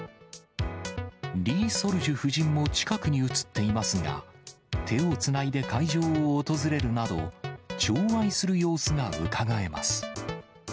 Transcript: リ・ソルジュ夫人も近くに映っていますが、手をつないで会場を訪れるなど、ちょう愛する様子がうかがえます。